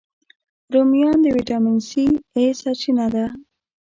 رومیان د ویټامین A، C سرچینه ده